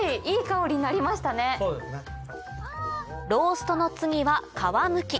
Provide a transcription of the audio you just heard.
ローストの次は皮むき